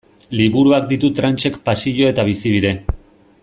Liburuak ditu Tranchek pasio eta bizibide.